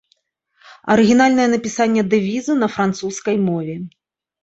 Арыгінальнае напісанне дэвізу на французскай мове.